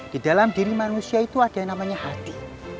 di dalam diri manusia itu ada yang namanya hati